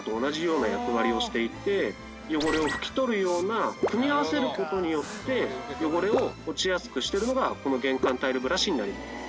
汚れを拭き取るような組み合わせる事によって汚れを落ちやすくしてるのがこの玄関タイルブラシになります。